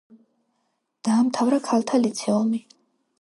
დაამთავრა ქალთა ლიცეუმი.